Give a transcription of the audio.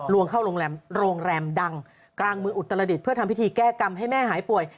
เข้าโรงแรมดังกลางมืออุตรดิษฐ์เพื่อทำพิธีแก้กรรมให้แม่หายป่วย